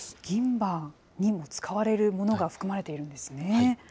銀歯にも使われるものが含まれているんですね。